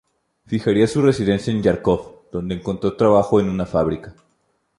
Fijaría su residencia en Járkov, donde encontró trabajo en una fábrica.